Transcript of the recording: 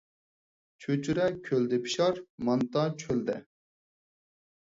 چۆچۈرە كۆلدە پىشار، مانتا چۆلدە